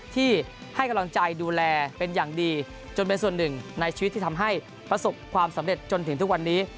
ที่ให้กำลังใจดูแลเป็นอย่างดีจนเป็นส่วนหนึ่งในชีวิตที่ทำให้ประสบความสำเร็จจนถึงทุกวันนี้